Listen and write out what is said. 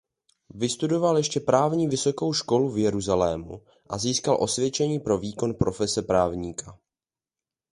Vystudoval ještě právní vysokou školu v Jeruzalému a získal osvědčení pro výkon profese právníka.